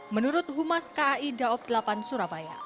menurut humas kai daob delapan surabaya